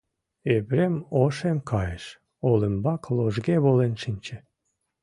Епрем ошем кайыш, олымбак ложге волен шинче.